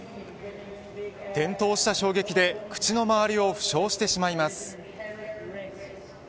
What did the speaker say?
転倒した衝撃で、口の周りを負傷してしまいます。